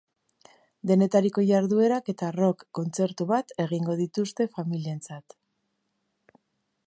Denetariko jarduerak eta rock kontzertu bat egingo dituzte familientzat.